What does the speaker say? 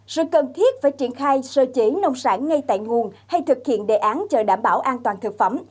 sự cần thiết phải triển khai sơ chế nông sản ngay tại nguồn hay thực hiện đề án chợ đảm bảo an toàn thực phẩm